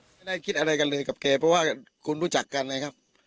ไม่ได้คิดอะไรกันเลยกับแกเพราะว่าคุณรู้จักกันนะครับ